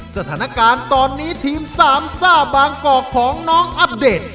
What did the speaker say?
สถานการณ์ตอนนี้ทีมสามซ่าบางกอกของน้องอัปเดต